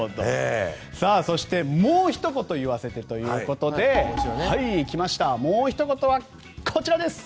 そしてもうひと言言わせてということで来ました、もうひと言はこちら。